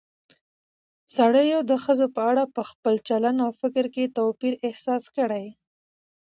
سړيو د ښځو په اړه په خپل چلن او فکر کې توپير احساس کړى